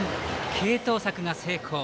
継投策が成功。